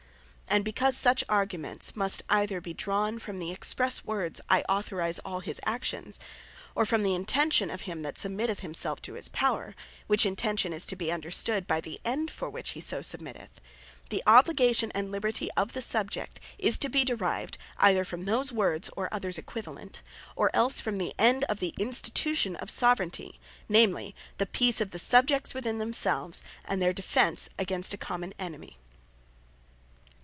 And because such arguments, must either be drawn from the expresse words, "I Authorise all his Actions," or from the Intention of him that submitteth himselfe to his Power, (which Intention is to be understood by the End for which he so submitteth;) The Obligation, and Liberty of the Subject, is to be derived, either from those Words, (or others equivalent;) or else from the End of the Institution of Soveraignty; namely, the Peace of the Subjects within themselves, and their Defence against a common Enemy.